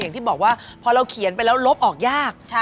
อย่างที่บอกว่าพอเราเขียนไปแล้วลบออกยาก